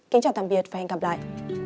kính chào tạm biệt và hẹn gặp lại